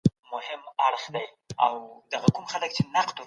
که په کمپیوټر کې سافټویر زوړ وي.